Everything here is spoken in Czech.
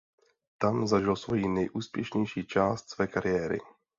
Tam zažil svoji nejúspěšnější část své kariéry.